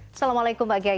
assalamualaikum pak kiai